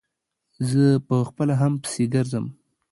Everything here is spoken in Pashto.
زه په خپله هم پسې ګرځم.